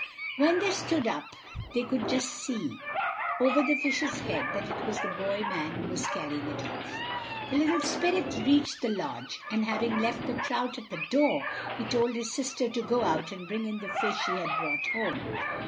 When they stood up they could just see, over the fish's head, that it was the boy man who was carrying it off. The little spirit reached the lodge, and having left the trout at the door, he told his sister to go out and bring in the fish he had brought home.